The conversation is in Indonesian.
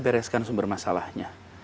bereskan sumber masalahnya